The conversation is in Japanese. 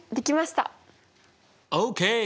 ＯＫ！